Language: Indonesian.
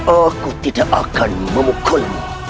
aku tidak akan memukulmu